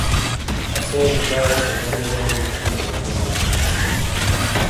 اسے مولائی سے گلی گلی نی کولے اوشے نائی